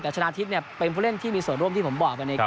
แต่ชนะทิพย์เป็นผู้เล่นที่มีส่วนร่วมที่ผมบอกกัน